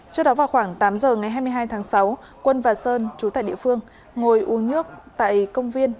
trước đó vào khoảng tám giờ ngày hai mươi hai tháng sáu quân và sơn trú tại địa phương ngồi uống nước tại công viên